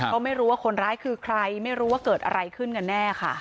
ก็ไม่รู้ว่าคนร้ายคือใครไม่รู้ว่าเกิดอะไรขึ้นกันแน่ค่ะ